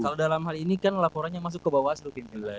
kalau dalam hal ini kan laporannya masuk ke bawah seluruh pimpinan